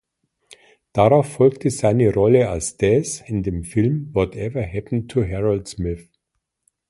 Darauf folgte seine Rolle als Daz in dem Film Whatever Happened to Harold Smith?